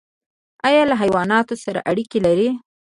ایا له حیواناتو سره اړیکه لرئ؟